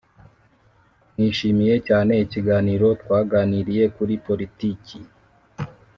nishimiye cyane ikiganiro twaganiriye kuri politiki.